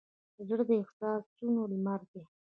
زړه د احساسونو لمر دی.